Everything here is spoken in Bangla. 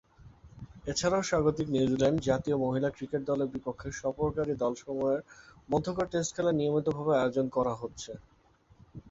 এছাড়াও, স্বাগতিক নিউজিল্যান্ড জাতীয় মহিলা ক্রিকেট দলের বিপক্ষে সফরকারী দলসমূহের মধ্যকার টেস্ট খেলা নিয়মিতভাবে আয়োজন করা হচ্ছে।